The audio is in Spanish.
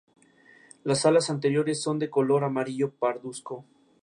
Las alas anteriores son de color amarillo parduzco.